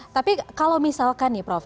tapi kalau misalkan nih prof